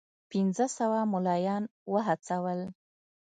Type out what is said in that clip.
پنځه سوه مُلایان وهڅول.